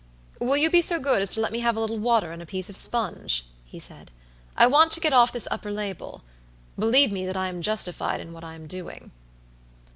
"Will you be so good as to let me have a little water and a piece of sponge?" he said. "I want to get off this upper label. Believe me that I am justified in what I am doing."